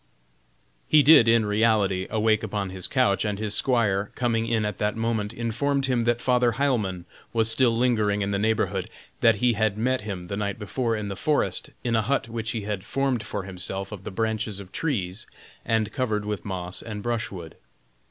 He did, in reality, awake upon his couch, and his squire coming in at that moment informed him that Father Heilmann was still lingering in the neighborhood; that he had met him the night before in the forest, in a hut which he had formed for himself of the branches of trees, and covered with moss and brushwood.